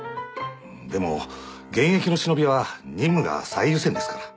でも現役の忍びは任務が最優先ですから。